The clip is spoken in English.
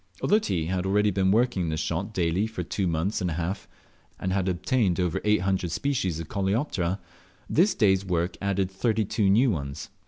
Although T had already been working this shot daily for two months and a half, and had obtained over 800 species of Coleoptera, this day's work added 32 new ones.